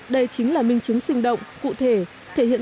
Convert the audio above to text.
đây chính là minh chứng sinh động cụ thể